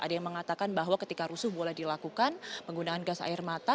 ada yang mengatakan bahwa ketika rusuh boleh dilakukan penggunaan gas air mata